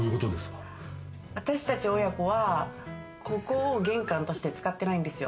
私達親子はここを玄関として使ってないんですよ。